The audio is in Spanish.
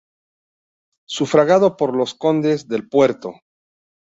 Sufragado por los condes del Puerto.